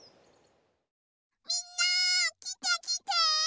みんなきてきて！